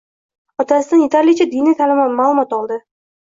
Otasidan yetarlicha diniy ma'lumot oldi.